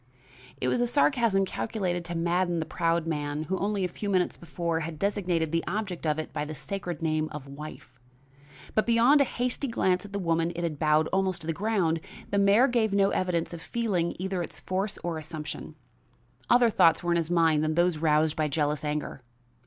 It was a sarcasm calculated to madden the proud man who, only a few minutes before, had designated the object of it by the sacred name of wife. But beyond a hasty glance at the woman it had bowed almost to the ground, the mayor gave no evidence of feeling either its force or assumption. Other thoughts were in his mind than those roused by jealous anger.